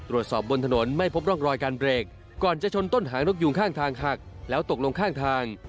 ตรวจสอบบนถนนไม่พบร่องรอยการเบรกก่อนจะชนต้นหางนกยูงข้างทางหักแล้วตกลงข้างทาง